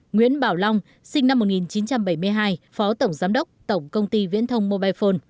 nguyễn bảo long sinh năm một nghìn chín trăm bảy mươi hai phó tổng giám đốc tổng công ty viễn thông mobile phone